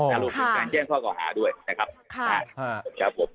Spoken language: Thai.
อ๋อค่ะการแจ้งข้อก่อหาด้วยนะครับ